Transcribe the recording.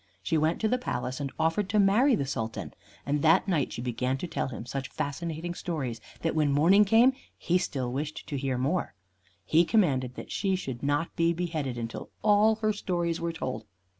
She went to the palace and offered to marry the Sultan, and that night she began to tell him such fascinating stories that when morning came he still wished to hear more. He commanded that she should not be beheaded until all her stories were told.